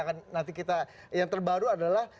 akan nanti kita yang terbaru adalah